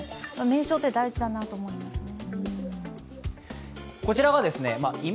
名称って大事だなと思いますね。